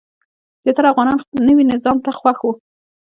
زیاتره افغانان نوي نظام ته خوښ وو.